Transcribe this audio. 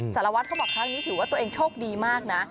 สารวัตรเขาบอกครั้งนี้ถือว่าตัวเองโชคดีมากนะ